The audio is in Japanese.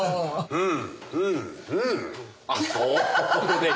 うん。